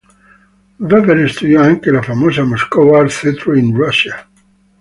Weber studiò anche al famoso Moscow Art Theatre in Russia.